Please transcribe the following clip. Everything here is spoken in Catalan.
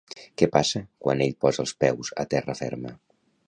Què passa quan ell posa els peus a terra ferma?